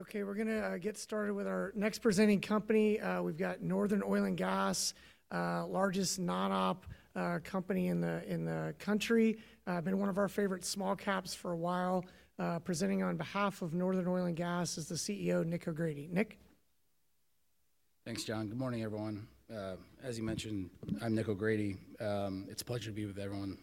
Okay, we're going to get started with our next presenting company. We've got Northern Oil and Gas, largest non-op company in the country, been one of our favorite small caps for a while. Presenting on behalf of Northern Oil and Gas is the CEO, Nick O'Grady. Nick? Thanks, John. Good morning, everyone. As you mentioned, I'm Nick O'Grady. It's a pleasure to be with everyone.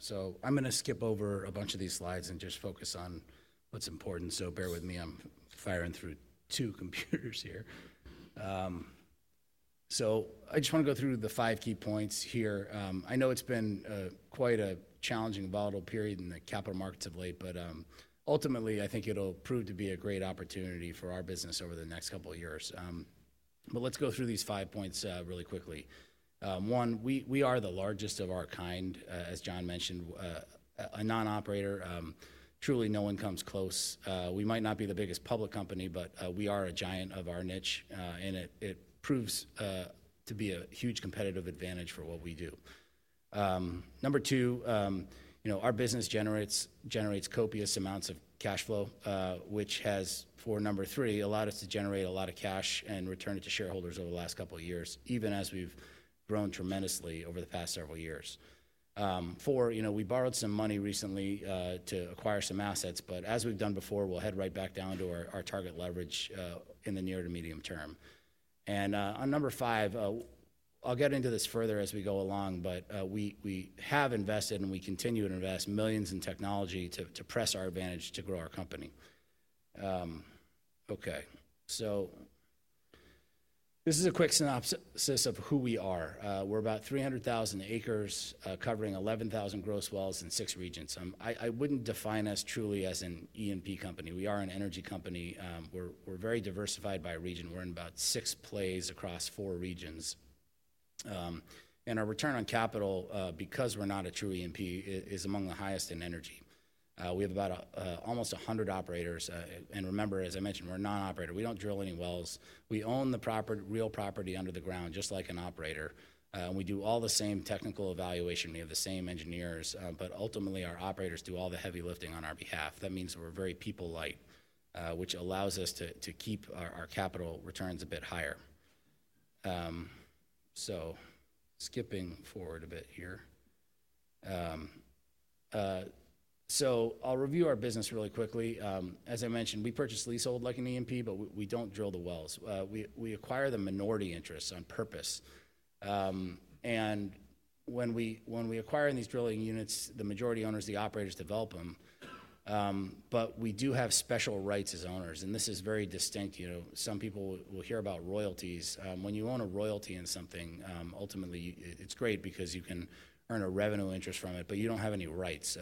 So I'm going to skip over a bunch of these slides and just focus on what's important. So bear with me, I'm firing through two computers here. So I just want to go through the five key points here. I know it's been quite a challenging volatile period in the capital markets of late, but ultimately, I think it'll prove to be a great opportunity for our business over the next couple of years. But let's go through these five points really quickly. One, we are the largest of our kind, as John mentioned, a non-operator. Truly, no one comes close. We might not be the biggest public company, but we are a giant of our niche, and it proves to be a huge competitive advantage for what we do. Number two, our business generates copious amounts of cash flow, which has, for number three, allowed us to generate a lot of cash and return it to shareholders over the last couple of years, even as we've grown tremendously over the past several years. Four, we borrowed some money recently to acquire some assets, but as we've done before, we'll head right back down to our target leverage in the near to medium term, and on number five, I'll get into this further as we go along, but we have invested and we continue to invest millions in technology to press our advantage to grow our company. Okay, so this is a quick synopsis of who we are. We're about 300,000 acres covering 11,000 gross wells in six regions. I wouldn't define us truly as an E&P company. We are an energy company. We're very diversified by region. We're in about six plays across four regions. And our return on capital, because we're not a true E&P, is among the highest in energy. We have about almost 100 operators. And remember, as I mentioned, we're a non-operator. We don't drill any wells. We own the real property under the ground, just like an operator. We do all the same technical evaluation. We have the same engineers, but ultimately, our operators do all the heavy lifting on our behalf. That means we're very people-light, which allows us to keep our capital returns a bit higher. So skipping forward a bit here. So I'll review our business really quickly. As I mentioned, we purchase leasehold like an E&P, but we don't drill the wells. We acquire the minority interests on purpose. And when we acquire these drilling units, the majority of owners, the operators, develop them. We do have special rights as owners. This is very distinct. Some people will hear about royalties. When you own a royalty in something, ultimately, it's great because you can earn a revenue interest from it, but you don't have any rights.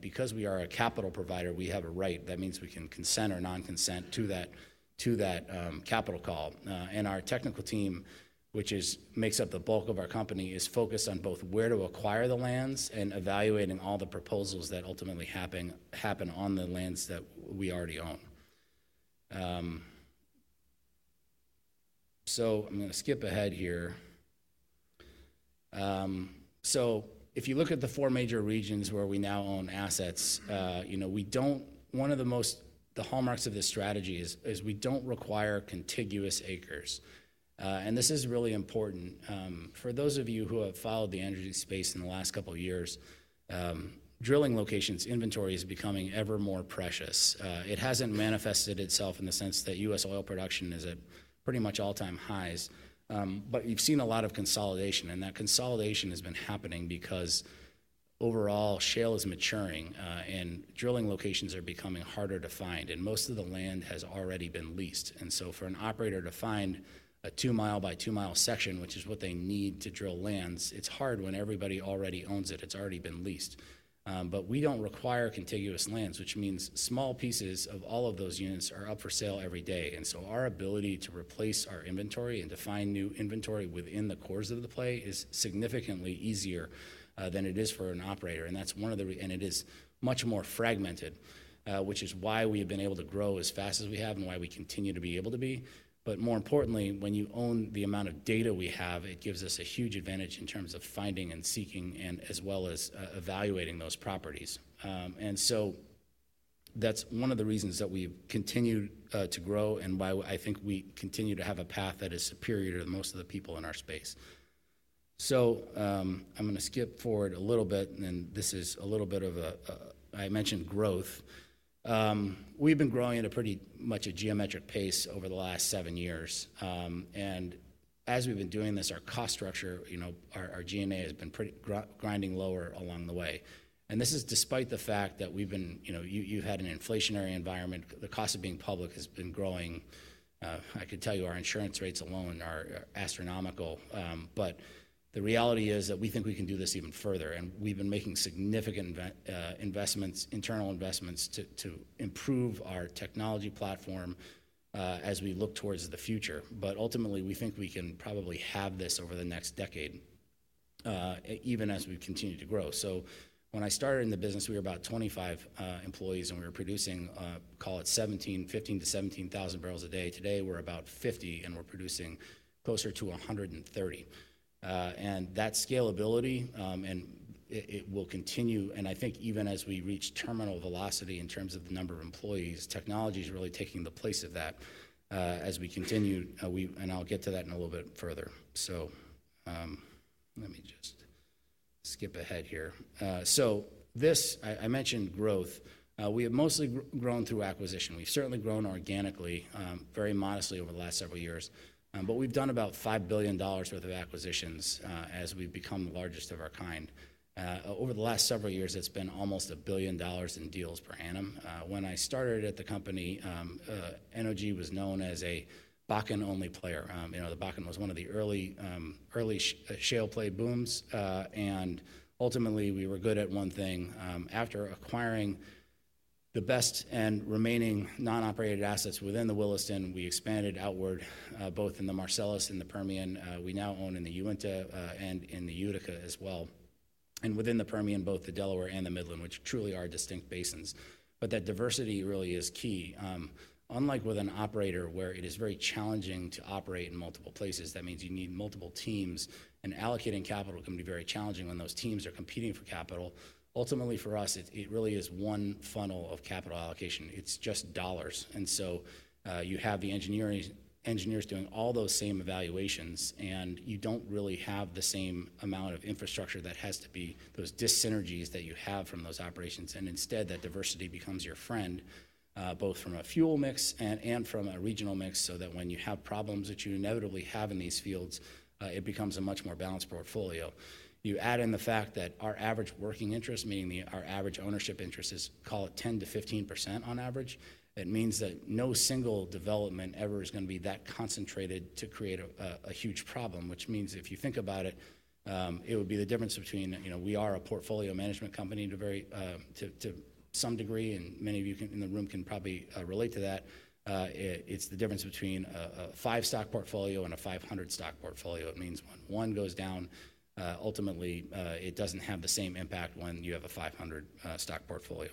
Because we are a capital provider, we have a right. That means we can consent or non-consent to that capital call. Our technical team, which makes up the bulk of our company, is focused on both where to acquire the lands and evaluating all the proposals that ultimately happen on the lands that we already own. I'm going to skip ahead here. If you look at the four major regions where we now own assets, one of the hallmarks of this strategy is we don't require contiguous acres. This is really important. For those of you who have followed the energy space in the last couple of years, drilling locations' inventory is becoming ever more precious. It hasn't manifested itself in the sense that U.S. oil production is at pretty much all-time highs, but you've seen a lot of consolidation, and that consolidation has been happening because overall, shale is maturing and drilling locations are becoming harder to find, and most of the land has already been leased, and so for an operator to find a two-mile by two-mile section, which is what they need to drill lands, it's hard when everybody already owns it. It's already been leased, but we don't require contiguous lands, which means small pieces of all of those units are up for sale every day. And so our ability to replace our inventory and to find new inventory within the cores of the play is significantly easier than it is for an operator. And that's one of the reasons, and it is much more fragmented, which is why we have been able to grow as fast as we have and why we continue to be able to be. But more importantly, when you own the amount of data we have, it gives us a huge advantage in terms of finding and seeking and as well as evaluating those properties. And so that's one of the reasons that we've continued to grow and why I think we continue to have a path that is superior to most of the people in our space. So I'm going to skip forward a little bit, and this is a little bit of a, I mentioned growth. We've been growing at pretty much a geometric pace over the last seven years. And as we've been doing this, our cost structure, our G&A has been grinding lower along the way. And this is despite the fact that we've been, you've had an inflationary environment. The cost of being public has been growing. I could tell you our insurance rates alone are astronomical. But the reality is that we think we can do this even further. And we've been making significant investments, internal investments, to improve our technology platform as we look towards the future. But ultimately, we think we can probably have this over the next decade, even as we continue to grow. So when I started in the business, we were about 25 employees, and we were producing, call it 15,000 to 17,000 barrels a day. Today, we're about 50, and we're producing closer to 130. That scalability, and it will continue. I think even as we reach terminal velocity in terms of the number of employees, technology is really taking the place of that as we continue. I'll get to that in a little bit further. Let me just skip ahead here. This, I mentioned growth. We have mostly grown through acquisition. We've certainly grown organically, very modestly over the last several years. But we've done about $5 billion worth of acquisitions as we've become the largest of our kind. Over the last several years, it's been almost $1 billion in deals per annum. When I started at the company, NOG was known as a Bakken-only player. The Bakken was one of the early shale play booms. Ultimately, we were good at one thing. After acquiring the best and remaining non-operated assets within the Williston, we expanded outward, both in the Marcellus and the Permian. We now own in the Uinta and in the Utica as well, and within the Permian, both the Delaware and the Midland, which truly are distinct basins, but that diversity really is key. Unlike with an operator where it is very challenging to operate in multiple places, that means you need multiple teams, and allocating capital can be very challenging when those teams are competing for capital. Ultimately, for us, it really is one funnel of capital allocation. It's just dollars, and so you have the engineers doing all those same evaluations, and you don't really have the same amount of infrastructure that has to be those synergies that you have from those operations. And instead, that diversity becomes your friend, both from a fuel mix and from a regional mix, so that when you have problems that you inevitably have in these fields, it becomes a much more balanced portfolio. You add in the fact that our average working interest, meaning our average ownership interest is, call it 10%-15% on average. It means that no single development ever is going to be that concentrated to create a huge problem, which means if you think about it, it would be the difference between we are a portfolio management company to some degree, and many of you in the room can probably relate to that. It's the difference between a five-stock portfolio and a 500-stock portfolio. It means when one goes down, ultimately, it doesn't have the same impact when you have a 500-stock portfolio.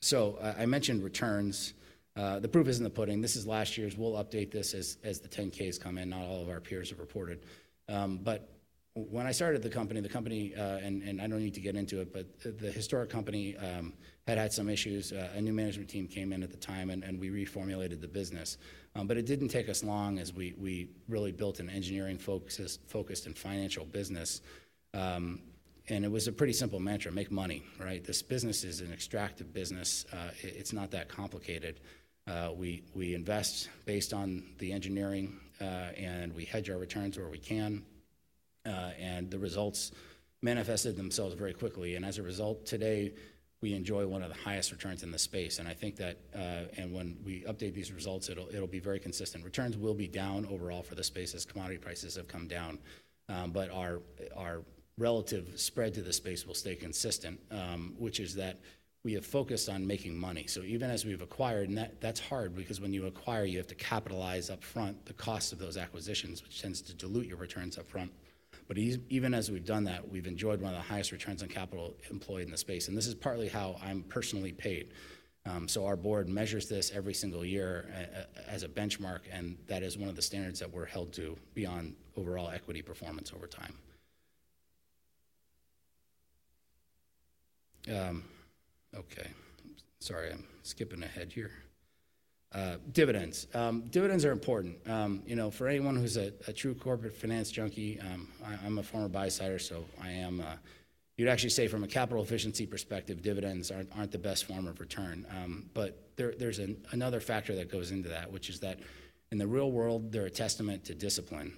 So I mentioned returns. The proof is in the pudding. This is last year's. We'll update this as the 10-Ks come in. Not all of our peers have reported, but when I started the company, the company, and I don't need to get into it, but the historic company had had some issues. A new management team came in at the time, and we reformulated the business, but it didn't take us long as we really built an engineering-focused and financial business, and it was a pretty simple mantra: make money, right? This business is an extractive business. It's not that complicated. We invest based on the engineering, and we hedge our returns where we can, and the results manifested themselves very quickly, and as a result, today, we enjoy one of the highest returns in the space, and I think that when we update these results, it'll be very consistent. Returns will be down overall for the space as commodity prices have come down. But our relative spread to the space will stay consistent, which is that we have focused on making money. So even as we've acquired, and that's hard because when you acquire, you have to capitalize upfront the cost of those acquisitions, which tends to dilute your returns upfront. But even as we've done that, we've enjoyed one of the highest returns on capital employed in the space. And this is partly how I'm personally paid. So our board measures this every single year as a benchmark, and that is one of the standards that we're held to beyond overall equity performance over time. Okay. Sorry, I'm skipping ahead here. Dividends. Dividends are important. For anyone who's a true corporate finance junkie, I'm a former buy-sider, so I am. You'd actually say from a capital efficiency perspective, dividends aren't the best form of return. But there's another factor that goes into that, which is that in the real world, they're a testament to discipline.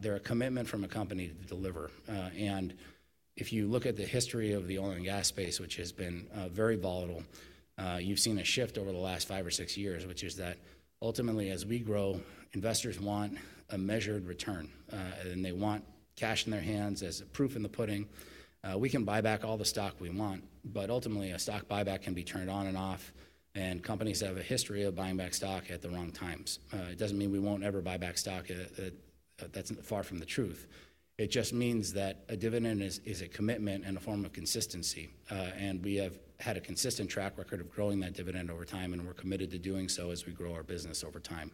They're a commitment from a company to deliver. And if you look at the history of the oil and gas space, which has been very volatile, you've seen a shift over the last five or six years, which is that ultimately, as we grow, investors want a measured return, and they want cash in their hands as proof in the pudding. We can buy back all the stock we want, but ultimately, a stock buyback can be turned on and off, and companies have a history of buying back stock at the wrong times. It doesn't mean we won't ever buy back stock. That's far from the truth. It just means that a dividend is a commitment and a form of consistency. And we have had a consistent track record of growing that dividend over time, and we're committed to doing so as we grow our business over time.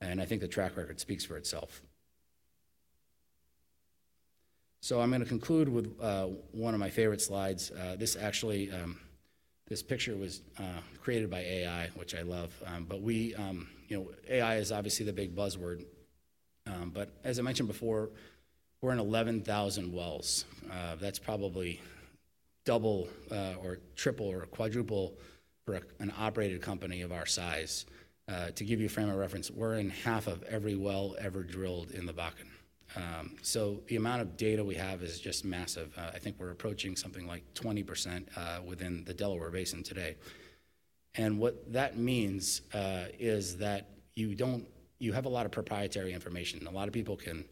And I think the track record speaks for itself. So I'm going to conclude with one of my favorite slides. This picture was created by AI, which I love. But AI is obviously the big buzzword. But as I mentioned before, we're in 11,000 wells. That's probably double or triple or quadruple for an operated company of our size. To give you a frame of reference, we're in half of every well ever drilled in the Bakken. So the amount of data we have is just massive. I think we're approaching something like 20% within the Delaware Basin today. What that means is that you have a lot of proprietary information. A lot of people can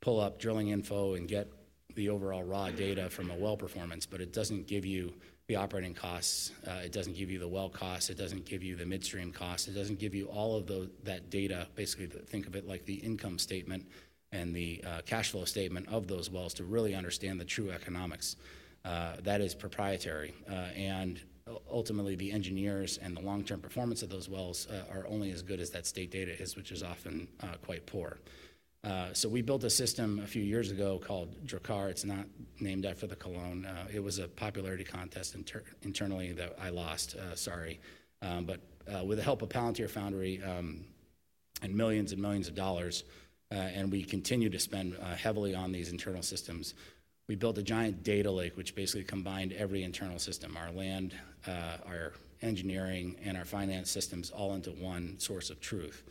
pull up drilling info and get the overall raw data from a well performance, but it doesn't give you the operating costs. It doesn't give you the well costs. It doesn't give you the midstream costs. It doesn't give you all of that data. Basically, think of it like the income statement and the cash flow statement of those wells to really understand the true economics. That is proprietary. Ultimately, the engineers and the long-term performance of those wells are only as good as that state data is, which is often quite poor. We built a system a few years ago called Drakkar. It's not named after the cologne. It was a popularity contest internally that I lost, sorry. But with the help of Palantir Foundry and millions and millions of dollars, and we continue to spend heavily on these internal systems, we built a giant data lake, which basically combined every internal system: our land, our engineering, and our finance systems all into one source of truth.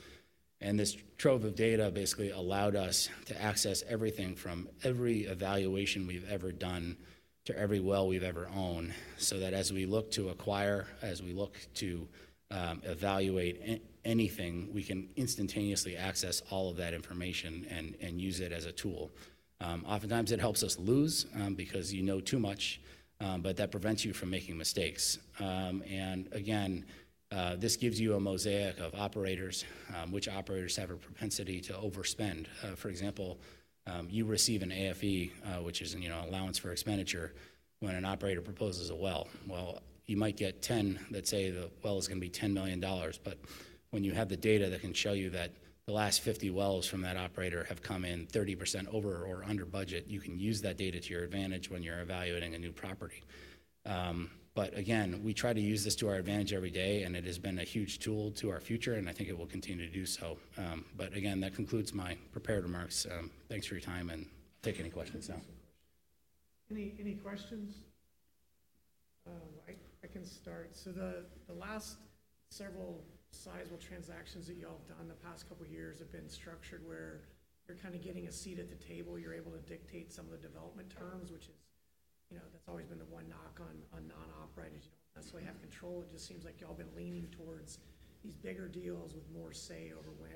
And this trove of data basically allowed us to access everything from every evaluation we've ever done to every well we've ever owned so that as we look to acquire, as we look to evaluate anything, we can instantaneously access all of that information and use it as a tool. Oftentimes, it helps us lose because you know too much, but that prevents you from making mistakes. And again, this gives you a mosaic of operators, which operators have a propensity to overspend. For example, you receive an AFE, which is an allowance for expenditure, when an operator proposes a well. Well, you might get 10 that say the well is going to be $10 million. But when you have the data that can show you that the last 50 wells from that operator have come in 30% over or under budget, you can use that data to your advantage when you're evaluating a new property. But again, we try to use this to our advantage every day, and it has been a huge tool to our future, and I think it will continue to do so. But again, that concludes my prepared remarks. Thanks for your time, and take any questions now. Any questions? I can start. So the last several sizable transactions that you all have done in the past couple of years have been structured where you're kind of getting a seat at the table. You're able to dictate some of the development terms, which has always been the one knock on non-operators. You don't necessarily have control. It just seems like you all have been leaning towards these bigger deals with more say over when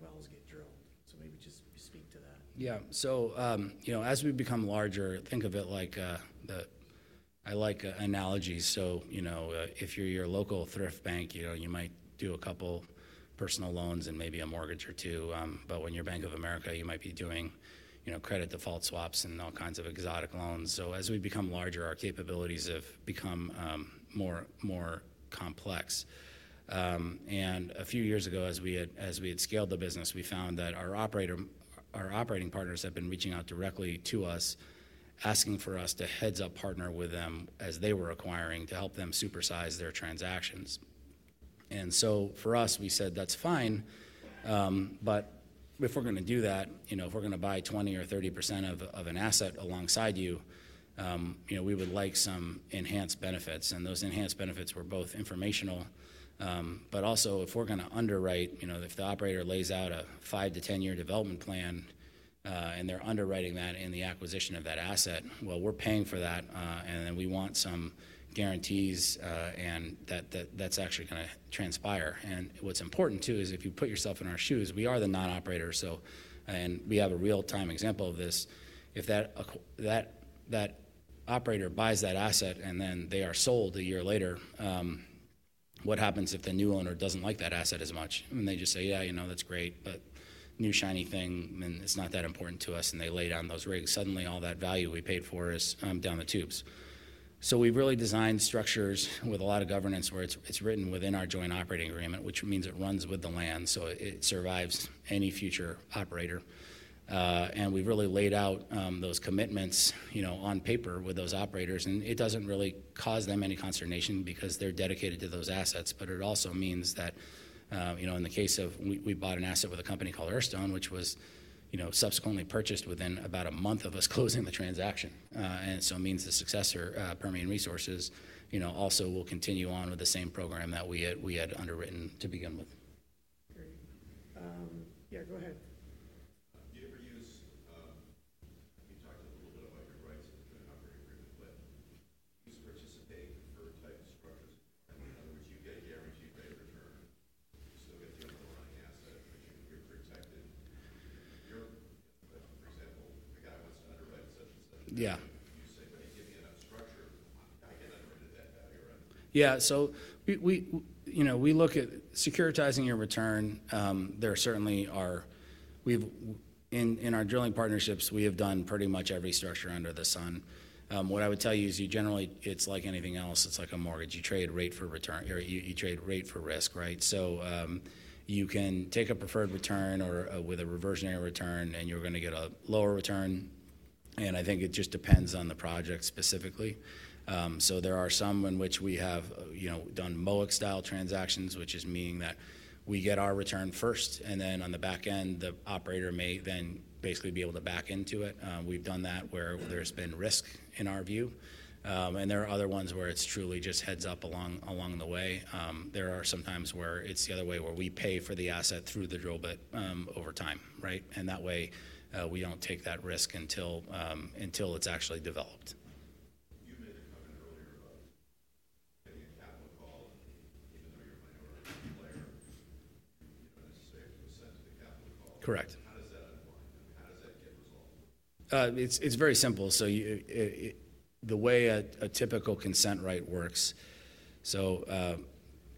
wells get drilled, so maybe just speak to that. Yeah, so as we become larger, think of it like the. I like analogy. So if you're a local thrift bank, you might do a couple of personal loans and maybe a mortgage or two. But when you're Bank of America, you might be doing credit default swaps and all kinds of exotic loans, so as we become larger, our capabilities have become more complex. A few years ago, as we had scaled the business, we found that our operating partners had been reaching out directly to us, asking for us to heads-up partner with them as they were acquiring to help them supersize their transactions. So for us, we said, "That's fine. But if we're going to do that, if we're going to buy 20% or 30% of an asset alongside you, we would like some enhanced benefits." Those enhanced benefits were both informational, but also if we're going to underwrite, if the operator lays out a five- to ten-year development plan and they're underwriting that in the acquisition of that asset, well, we're paying for that, and then we want some guarantees, and that's actually going to transpire. And what's important too is if you put yourself in our shoes, we are the non-operator, and we have a real-time example of this. If that operator buys that asset and then they are sold a year later, what happens if the new owner doesn't like that asset as much? And they just say, "Yeah, that's great, but new shiny thing, and it's not that important to us," and they lay down those rigs, suddenly all that value we paid for is down the tubes. So we've really designed structures with a lot of governance where it's written within our joint operating agreement, which means it runs with the land, so it survives any future operator. And we've really laid out those commitments on paper with those operators, and it doesn't really cause them any consternation because they're dedicated to those assets. But it also means that in the case of we bought an asset with a company called Earthstone, which was subsequently purchased within about a month of us closing the transaction. And so it means the successor, Permian Resources, also will continue on with the same program that we had underwritten to begin with. Great. Yeah, go ahead. Do you ever use we talked a little bit about your rights in the joint operating agreement, but to participate in certain types of structures? In other words, you get a guaranteed rate of return. You still get the underlying asset, but you're protected. Your for example, a guy wants to underwrite such and such. You say, "Give me enough structure. I can underwrite it that value or other." Yeah. So we look at securitizing your return. There certainly are in our drilling partnerships, we have done pretty much every structure under the sun. What I would tell you is generally, it's like anything else. It's like a mortgage. You trade rate for risk, right? So you can take a preferred return or with a reversionary return, and you're going to get a lower return. And I think it just depends on the project specifically. So there are some in which we have done MOIC-style transactions, which is meaning that we get our return first, and then on the back end, the operator may then basically be able to back into it. We've done that where there's been risk in our view. And there are other ones where it's truly just heads-up along the way. There are sometimes where it's the other way where we pay for the asset through the drill bit over time, right? And that way, we don't take that risk until it's actually developed. You made a comment earlier about getting a capital call. Even though you're a minority player, it's safe to consent to the capital call. Correct. How does that apply? How does that get resolved? It's very simple. So the way a typical consent right works, so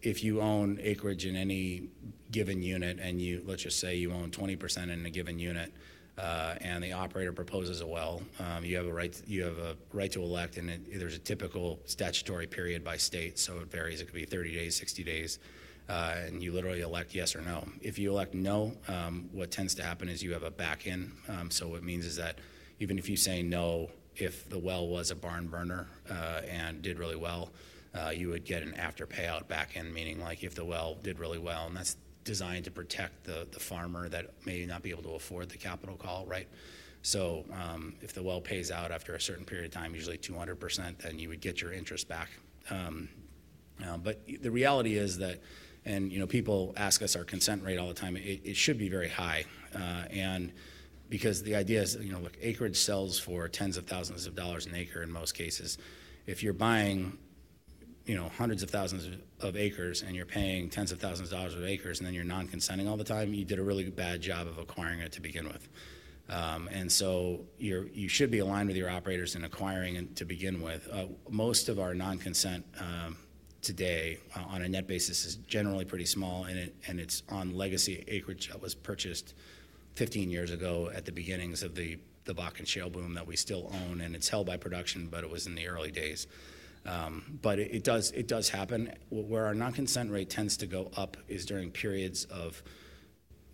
if you own acreage in any given unit and let's just say you own 20% in a given unit and the operator proposes a well, you have a right to elect, and there's a typical statutory period by state. So it varies. It could be 30 days, 60 days, and you literally elect yes or no. If you elect no, what tends to happen is you have a back end. So what it means is that even if you say no, if the well was a barn burner and did really well, you would get an after-payout back end, meaning if the well did really well, and that's designed to protect the farmer that may not be able to afford the capital call, right? So if the well pays out after a certain period of time, usually 200%, then you would get your interest back. But the reality is that, and people ask us our consent rate all the time, it should be very high, and because the idea is acreage sells for tens of thousands of dollars per acre in most cases. If you're buying hundreds of thousands of acres and you're paying tens of thousands of dollars per acre and then you're non-consenting all the time, you did a really bad job of acquiring it to begin with. And so you should be aligned with your operators in acquiring to begin with. Most of our non-consent today on a net basis is generally pretty small, and it's on legacy acreage that was purchased 15 years ago at the beginnings of the Bakken Shale boom that we still own, and it's held by production, but it was in the early days. But it does happen. Where our non-consent rate tends to go up is during periods of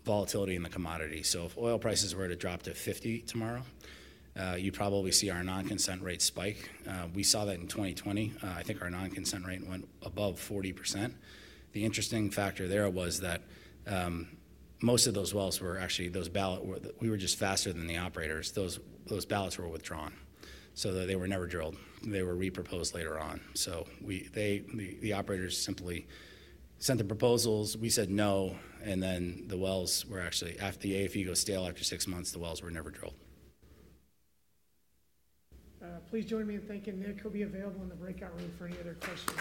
volatility in the commodity. So if oil prices were to drop to 50 tomorrow, you'd probably see our non-consent rate spike. We saw that in 2020. I think our non-consent rate went above 40%. The interesting factor there was that most of those wells were actually those AFEs were. We were just faster than the operators. Those AFEs were withdrawn. So they were never drilled. They were reproposed later on. The operators simply sent the proposals. We said no, and then the wells were actually, after the AFE goes stale after six months, the wells were never drilled. Please join me in thanking Nick. He'll be available in the breakout room for any other questions.